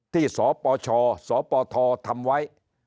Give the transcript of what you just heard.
ที่สปชสปททำไว้